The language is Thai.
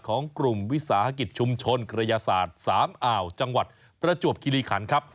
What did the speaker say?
ของกลุ่มวิสาหกิจชุมชนกระยาศาสตร์๓อ่าวจังหวัดประจวบคิริขันครับ